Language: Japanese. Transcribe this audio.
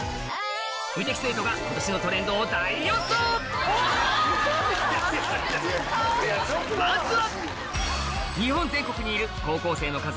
無敵生徒が今年のトレンドを大予想まずは！